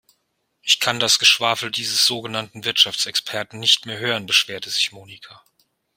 Ich kann das Geschwafel dieses sogenannten Wirtschaftsexperten nicht mehr hören, beschwerte sich Monika.